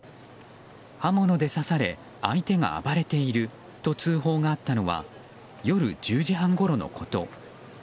刃物で刺され相手が暴れていると通報があったのは夜１０時半ごろのこと。